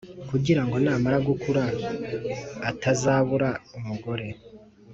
kugira ngo namara gukura atazabura umugore